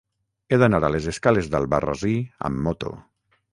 He d'anar a les escales d'Albarrasí amb moto.